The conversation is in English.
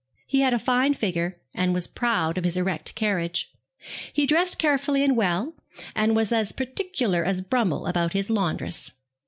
He had a fine figure, and was proud of his erect carriage. He dressed carefully and well, and was as particular as Brummel about his laundress.